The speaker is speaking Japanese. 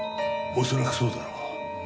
恐らくそうだろう。